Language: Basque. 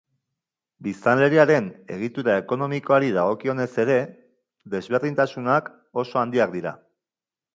Biztanleriaren egitura ekonomikoari dagokionez ere, desberdintasunak oso handiak dira.